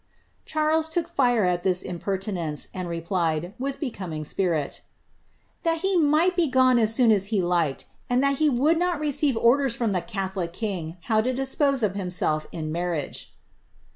Charles took fire at this impertinence, and replied, with becoming spirit, ^^ that he might be gone as soon as he liked, and that he would not receive orders from the catholic king how to dispose of himself in marriage."